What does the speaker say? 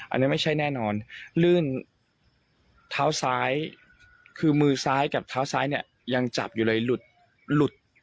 อันนี้ไม่ใช่แน่นอนลื่นเท้าซ้ายคือมือซ้ายกับเท้าซ้ายเนี่ยยังจับอยู่เลยหลุดหลุด